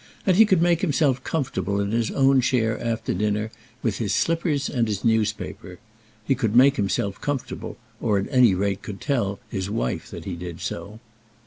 And he could make himself comfortable in his own chair after dinner, with his slippers and his newspaper. He could make himself comfortable, or at any rate could tell his wife that he did so.